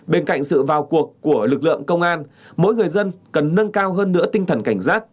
bên cạnh sự vào cuộc của lực lượng công an mỗi người dân cần nâng cao hơn nữa tinh thần cảnh giác